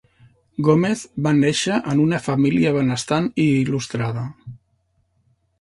Gómez va néixer en una família benestant i il·lustrada.